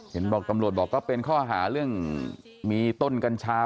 เห็นบอกตำรวจบอกก็เป็นข้อหาเรื่องมีต้นกัญชา